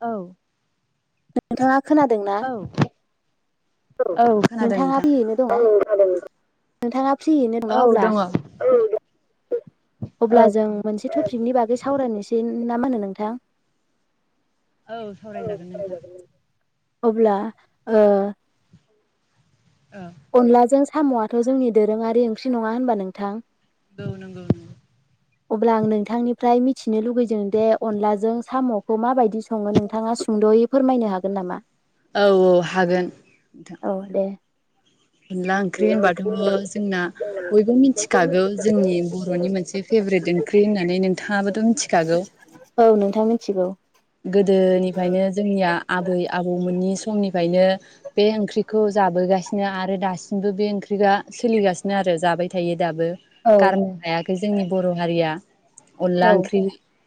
औ नोंथाङा खोनादोंना औ औ खोनादों नोंथाङा [unintelligible] नोंथां दङ? नोंथाङा फ्रियैनो दं ना औ अब्ला? दङ औ अब्ला जों मोनसे टपिकनि बागै सावरायनोसै? ना मा होनो नोंथां? औ सावरायजागोन नोंथां अब्ला ओ औ अनला जों साम'आथ' जोंनि दोरोङारि ओंख्रि नङा होनबा नोंथां [unintelligible] अब्ला आं नोंथांनिफ्राय मिथिनो लुगैदों दे अनलाजों साम'खौ माबायदि बिदि सङो नोंथाङा सुंद'यै फोरमायनो हागोन होगोन नामा औ औ हागोन औ दे अनला ओंख्रि होनबाथ' जोंना बयबो मिथिखागौ जोंनि बर'नि मोनसे फेब्रेट दं ओंख्रि होननानै नोंथाङाबोथ' मिथिखागौ औ नोंथां मिथिगौ गोदोनिफ्रायनो जोंनिया आबै आबौमोननि समनिफ्रायनो बे ओंख्रिखौ जाबोगासिनो आरो दासिमबो बे ओंख्रिया सोलिगासिनो आरो जाबाय थायो दाबो औ गारनो हायाखै जोंनि बर' हारिया अनला औ ओंख्रि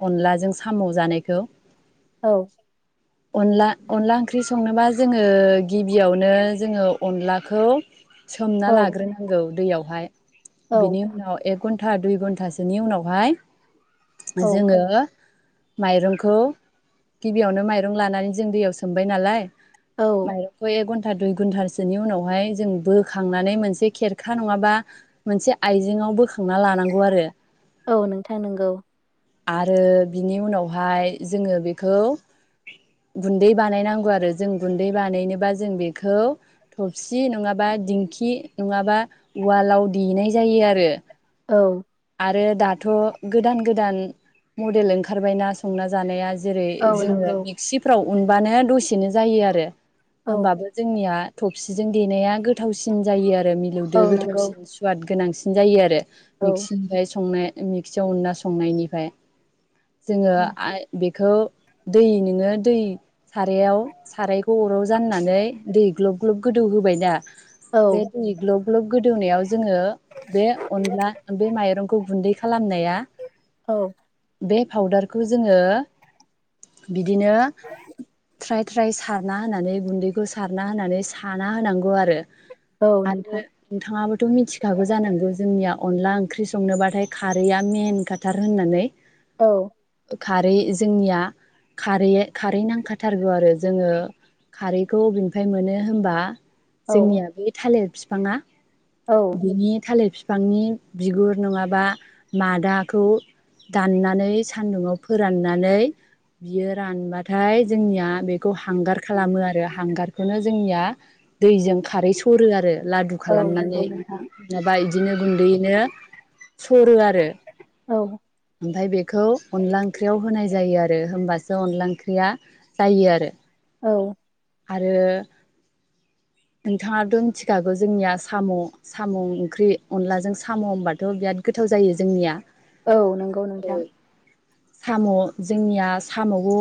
अनला जों साम' जानायखौ औ अनला अनला ओंख्रि संनोबा जोङो गिबियावनो जोङो अनलाखौ सोमना औ लाग्रोनांगौ दैयाव औ [unintelligible] बिनि उनाव घन्टा दुइ घन्टासोनि उनावहाय औ जोङो माइरंखौ गिबियावनो माइरं लानानै जों दैयाव सोमबाय नालाय औ [unintelligible] एक घन्टा दुइ घन्टासोनि उनावहाय जों बोखांनानै मोनसे खेरखा नङाबा मोनसे आइजेंआव बोखां संना लानांगौ आरो औ नोंथां नंगौ आरो बिनि उनावहाय जोङो बेखौ गुनदै बानायनांगौ आरो जों गुनदै बानायनोबा जों बेखौ थबसि नङाबा दिंखि नङाबा उवालाव देनाय जायो आरो औ आरो दाथ' गोदान गोदान मडेल ओंखारबायना संना जानाया जेरै औ जोङो नंगौ मिक्सिफ्राव उनबानो दसेनो जायो आरो औ होमबाबो जोंनिया थफसिजों देनाया गोथावसिन जायो आरो औ मिलौदो नंगौ गोथावसिन सुवाद गोनांसिन जायो आरो औ फ्राय संनाय मेक्सियाव उनना संनायनिफ्राय जोङो औ हाइ बेखौ दै नोङो दै सारायाव सारायखौ अराव जाननानै दै ग्लब ग्लब गोदौ होबाय दा औ बे दै ग्लब ग्लब गोदौनायाव जोङो बे अनला बे माइरंखौ गुनदै [unintelligible] औ बे फाउदारखौ जोङो बि दिनो थ्राइ फ्राय सारना होनानै गुनदैखौ सारना होनानै साना होनांगौ आरो औ आरो नोंथां नोंथाङाबोथ' मिथिखागौ जानांगौ जोंनियाव अनला ओंख्रि संनोबाथाय खारैया मेन खाथार होननानै औ खारै जोंनिया खारै खारै नांखाथारगौ आरो जोङो खारैखौ अबेनिफ्राय मोनो होनबा औ जोंनिया बे थालिर बिफांङा औ बिनि थालिर बिफांनि बिगुर नङाबा मादाखौ दाननानै सानदुंङाव फोराननानै बियो रानबाथाय जोंनिया बेखौ हांगार खालामो आरो हांगारखौनो जोंनिया दैजों खारै सरो आरो लादु औ खालामनानै नंगौ नोंथां माबा बिदिनो गुनदै सरो आरो औ ओमफ्राय बेखौ अनला ओंख्रियाव होनाय जायो आ रो होमबासो अनला ओंख्रिया जायो आरो औ आरो नोंथांङाथ' मिथिखागौ जोंनिया साम' साम' ओंख्रि अनलाजों साम' होनबाथ' बिराद गोथाव जायो जोंनिया औ नंगौ नोंथां साम' जोंनिया साम'खौ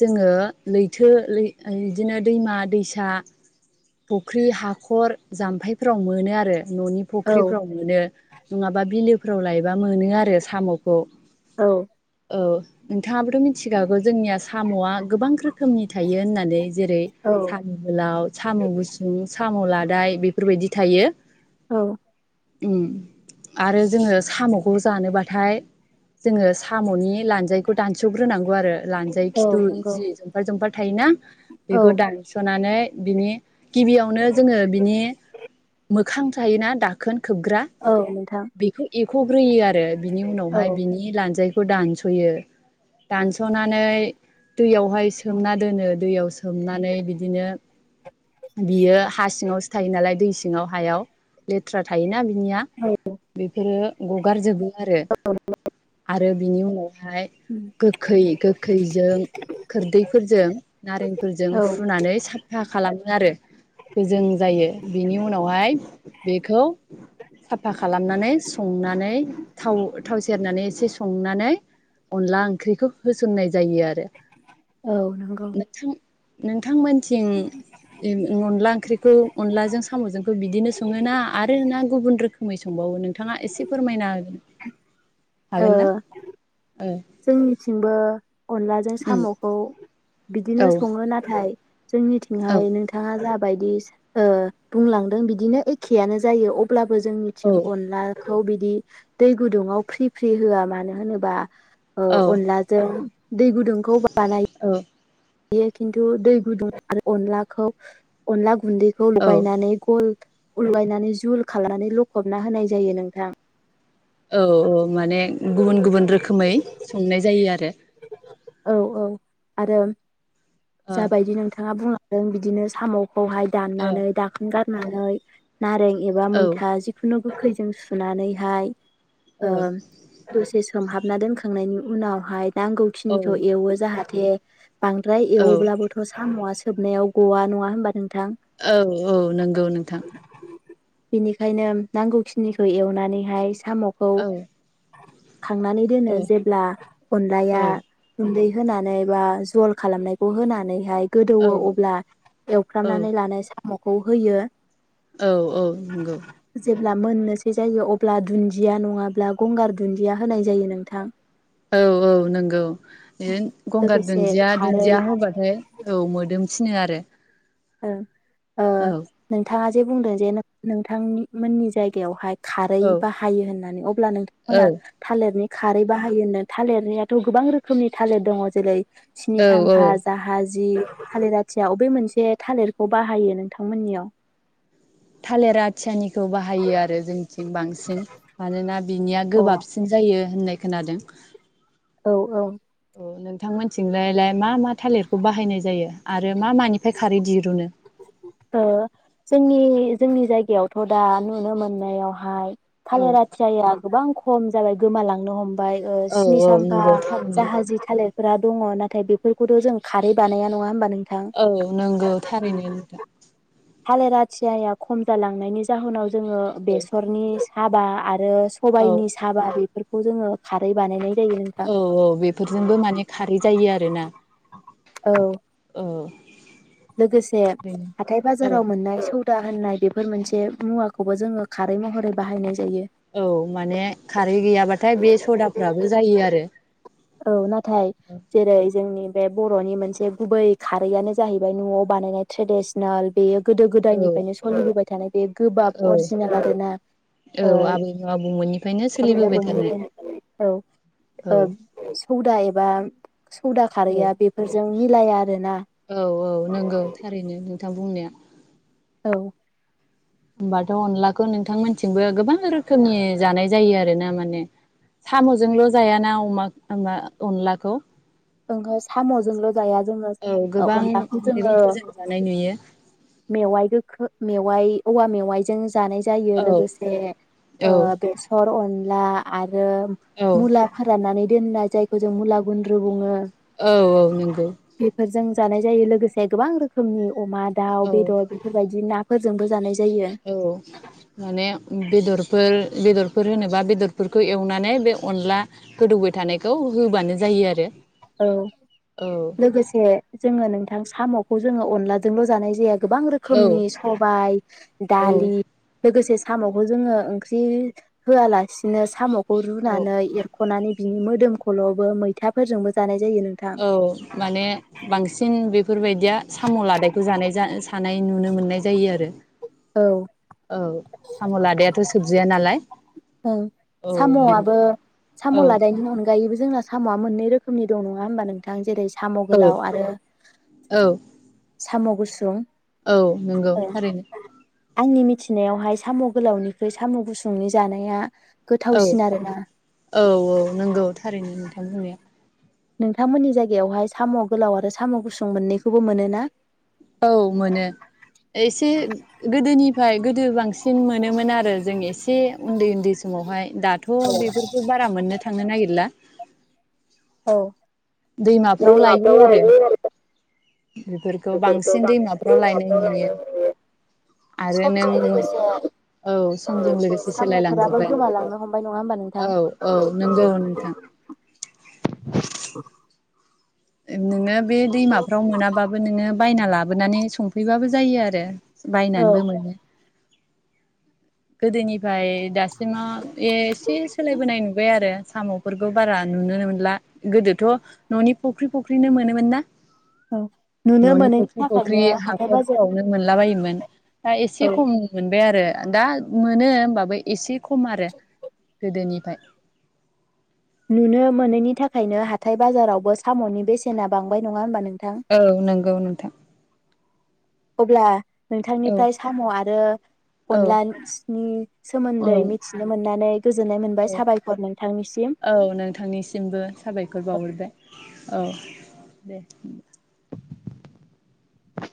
जोङो लैथो बिदिनो दैमा दैसा फुख्रि हाखर जाम्फैफोराव मोनो आरो न'नि औ फुख्रिफ्राव मोनो नङाबा बिलोफोराव लायोबा मोनो आरो साम'खौ औ औ बिथाङाबोथ' मिथिखागौ जोंनि आसाम साम'आ गोबां रोखोम रोखोमनि थायो होननानै जेरै औ साम'गोलाव गुसुं साम' लादाय बेफोरबायदि थायो औ ओम आरो जोङो साम'खौ जानोबाथाय जोङो साम'नि लान्जायखौ दानस'ग्रोनांगौ आरो लानजाइ औ खिथु नंगौ जि जंफार जफार हायना-' औ बेखौ दानस'नानै बिनि गिबियावनो जोङो बिनि मोखां थायोना दाखोन खोबग्रा औ नोंथां बेखौ एख'ग्रोयो आरो बिनि औ उनावहाय बिनि लानजाइ खौ दानस'यो दानस'नानै दैयावहाय सोमना दोनो दैयाव सो सोमनानै बिदिनो बियो हा सिङावसो थायो नालाय दै सिङाव हायाव लै [unintelligible] थायोना बे निया बेफोरो गगार जोबो आरो आरो बिनि उनावहाय गो खै-गोखैजों खोरदै फोरजों नारें फोरजों औ फुनानै सा खालामो आरो गोजों जायो बेनि उनावहाय बेखौ साफा खालामनानै संनानै थाव थाव सेरनानै एसे संनानै अनला ओंख्रिखौ होसननाय जायो आरो औ नंगौ नोंथां नोंथांमोन अनला ओंख्रिखौ अनलाजों साम'जोंखौ बिदिनो सङोना आरो ना गुबुन रोखोम खोमै संबावो नों नोंथाङा एसे फोरमायना होगोन ओ हागोन ना ओ जोंनिथिंबो अनलाजों साम'खौ औ बिदिनो सङो नाथाय औ जोंनिथिंहाय नोंथाङा जा बायदि ओ बुंलांदों बिदिनो एखेआनो जायो अब्ला बो औ जोंनिथिं अनला खौ बिदि दै गुदुङाव फ्रि फ्रि होआ मानो होनोबा ओ औ अनलाजों दै गुदुंखौ बानायो। बेयो खिन्थु दै गुदुं आरो अनलाखौ अनला गुन्दैखौ औ लगायनानै गल उगायनानै जुल खालामनानै लखबना होनाय जायो नोंथां‌ औ औ माने गुबुन गुबुन रोखोमै संनाय जायो आरो। औ औ आरो जाबायदि नोंथाङा बुंलां जों बिदिनो साम खौहाय ओ दाननानै दाखोन गार नानै नारें एबा ओ मैथा जिखुनु गोखैजों सुनानैहाय ओ दसे सो सोमहाबना दोनखांनायनि उनावहाय औ नांगौखिनिखौ एवो जाहा दे बांद्राय औ एवोब्लाबोथ सामवासो जोबनायाव गवा नङा होनबा नों औ औ नंगौ नोंथां। बेनिखायनो नांगौखिनिखौ एवनानैहाय साम'खौ औ खांनानै औ दोनो जेब्ला औ अनलाया गुन्दै होनानै बा जल खालामनायखौ होनानैहाय औ गोदौवो अब्ला एवफ्रामनानै लानाय सा मखौ होयो। औ औ नंगौ। अब्ला मोननोसै जायो अब्ला दुन्दिया नङाब्ला गंगार दुन्दिया होनाय जायो नोंथां। औ औ नंगौ बिदि गंगार लोगोसे दुन्दिया खारै दुन्दिया होबाथाय औ मोदोम सिनो आरो। ओं ओ औ नोंथाङा जे जे बुंदों जे नोंथांनि मोननि जायगायावहाय खारै औ बाहायो होननानै अब्ला औ नोंथांमोना थालिरनि खारै बाहायो होनदों थालिरनियाथ' गोबां रोखोमनि थालिर दङ जेरै सिनि औ औ साम्फा जाहाजि जि थालिर आथिया अबे मोनसे थालिरखौ बाहायो नोंथांमोननियाव थालिर आथियानि खौ बाहायो आरो जोंनिथिं बांसिन मानोना बिनिया अ गोबाबसिन जायो होननाय खोनादों औ औ नोंथांमोनथिंलायलाय मा मा थालिरखौ बाहायनाय जायो आरो मा मानिफ्राय खारै दिरुनो ओ जोंनि जोंनि जायगायावथ' दा नुनो मोननायावहाय औ थालिर आथियाया गोबां खम जाबाय गोमालांनो हम बाय ओ औ सि्नि औ साम्फा नंगौ थारैनो जाहाजि थालिर फोरा दङ नाथाय बेफोरखौथ' जों खारै बानाया नङा होमबा नोंथां औ नंगौ थारैनो नोंथां थालिरा आथियाया खम जालांनायनि जाहोनाव जोङो औ बेसरनि हाबा आ आरो औ सबाइनि साबा बेफोर खौ जोङो खारै बानायनाय जायो नोंथां औ औ बेफोरजोंबो माने खारै जायो आरोना औ औ लोगोसे थारैनो हाथाय औ बाजाराव मोननाय स दा होननाय बेफोर मोनसे मुवाखौबो जोङो खारै महरै बाहायनाय जायो औ माने खा रै गैयाबाथाय बे सदाफ्राबो जायो आरो औ नाथाय जेरै जोंनि बे बर'नि मोनसे गुबै खारैआनो जाहैबाय न'आव बानायनाय ट्रेडिसनाल बेयो गोदो औ गोदायनिफ्रायनो सलिबोबाय थानाय बे गोबाब औ अरजिनाल ओरोना औ ओ आबै आबौमोननिफ्रायनो आबै सोलिबोबाय आबौ थानाय मोननिफायनो औ औ ओम हौदा एबा सौदा औ खारैया बेफोरजों मिलाया आरोना औ औ नोंगौ थारैनो नोंथां बुंनाया औ होमबाथ' अनलाखौ नोंथांमोनथिंबो गोबां रोखोमनि जानाय जायो आरो ना माने साम'जोंल' जायाना अमा अमा अनलाखौ ओंहो साम'जोंल' जाया जोङो औ ओ गोबां अनलाखौ जोङो मैगंफोरजों जानाय नुयो मेवाइ गोखो मेवाइ औवा मेवाइजों जानाय जायो औ लोगोसे ओ औ बेसर अं ला आर रो औ मुला फोरनानै दोननाय जायखौ जों मुला गुन्द्रु बुङो औ औ नोंगौ बेफोरजों जानाय जायो लोगोसे गोबां रोखोमनि अमा दा औ बेदर बिफोरबायदि ना फोरजोंबो जानाय जायो औ माने बेदरफोर बेदरफोर होनोबा बेदरफोरखौ एवनानै बे अनला गोदौबाय थानायखौ होबानो जायो आरो। औ औ लोगोसे जोङो नोंथां साम' खौ जोङो अनलाजोंल' जानाय जाया गोबां रोखोमनि सबाय औ दालि लोगोसे साम'खौ जोङो ओंख्रि होआलासिनो साम' खौ औ रुनानै एरख'नानै बिनि मोदोम खल'बो मैथाफोरजोंबो जानाय जायो नोंथां औ माने बांसिन बे फोरबायदिया साम' लादायखौ जानाय सान नाय नुनो मोननाय जायो आरो औ औ साम' लादायाथ' सोबजाया नालाय ओं औ बिनि साम'आबो औ साम' लादनायनि अनगायैबो जोंना साम'आ मोननै रोखोम नि दं नङा होनोमबा नोंथां जेरै साम' गोलाव आरो औ साम' गुस सुं औ नंगौ थारैनो। आंनि मिथि नायावहाय साम' गोलावनिखै साम' गुसुंनि जानाया औ गोथावसिन आरोना औ औ नंगौ थारैनो नोंथां बुंनाया नोंथांमोननि जायगायावहाय साम' गोलाव आरो साम' गुसुं मोननैखौबो मोनो ना? औ मोनो एसे गोदोनि फ्राय गोदो बांसिन मोनोमोन आरो जों एसे उन्दै उन्दै समावहाय दाथ बेफोरखौ बारा मोननो थांनो नागिरला। औ दैमाफ्राव लायो आरो [unintelligible] बेफोरखौ बांसिन दैमाफ्राव लायनाय नुयो आरो नों औ समजों लोगोसे सोलायलांजोब्बाय औ औ नंगौ नोंथां [unintelligible] नोङो बे दैमाफ्राव मोनाबाबो नोङो बायना ला लाबोनानै संफैबाबो जायो आरो। औ बायनानैबो मोनो। गोदोनिफ्राय दासिमाव ए एसे सोलायबोनाय नुबाय आरो साम'फोरखौ बारा नुनोनो मोनला गोदोथ ननि फख्रि फुख्रिनो मोनोमोन ना? औ नुनो ननि मोनैनि फुख्रि फुख्रि थाखायनो हाथाय बाजार हाखरफ्रावनो मोनला बायोमोन। [inaudible] दा एसे औ खम मोनबाय आरो दा मोनो होमबाबो एसे खम आरो गोदोनि [inaudible] नुनो मोनैनि थाखायनो हाथाय बाजारावबो साम'नि बेसेना बांबाय नङा होनबा नों औ नंगौ नोंथां। अब्ला औ नोंथांनिफ्राय साम'या आरो औ अनलानि औ सोमोन्दै मिथिनो मोननानै गोजोननाय मोनबाय औ साबायखर नोंथांनिसिम। औ नोंथांनिसिमबो साबायखर बावहरबाय। औ दे होनबा।